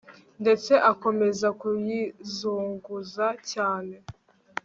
ndetse akomeza kuyizunguza cyane